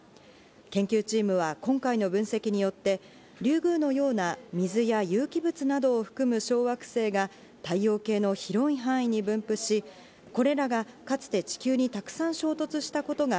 研究チームは今回の分析によってリュウグウのような水や有機物などを含む小惑星が太陽系の広い範囲に分布し、これらがかつて地球にたくさん衝突したことが